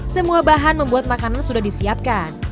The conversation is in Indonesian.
semua bahan membuat makanan sudah disiapkan